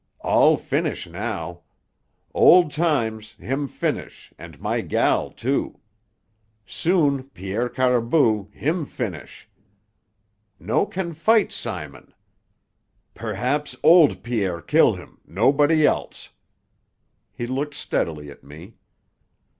"All finish now. Old times, him finish, and my gal, too. Soon Pierre Caribou, him finish. No can fight Simon. Perhaps old Pierre kill him, nobody else." He looked steadily at me.